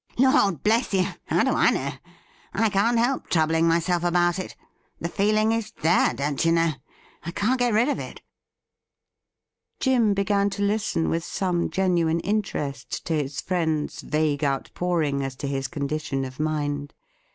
' Lord bless you ! how do I know ? I can't help troubling myself about it. The feeling is there, don't you know. I can't get rid of it.' jTim began to listen with some genuine interest tO' \a^ WHAT WALEY DID WITH HIMSELF 251 friend's vague outpouring as to his condition of mind.